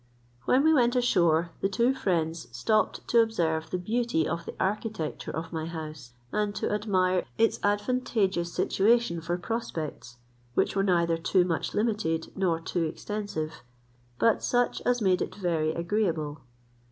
When we went ashore, the two friends stopped to observe the beauty of the architecture of my house, and to admire its advantageous situation for prospects, which were neither too much limited nor too extensive, but such as made it very agreeable.